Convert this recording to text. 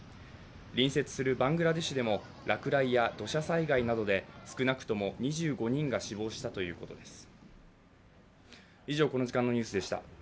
隣接するバングラデシュでも落雷や土砂災害などで少なくとも２５人が死亡したということです。